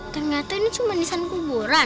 ternyata ini cuma nisan kuburan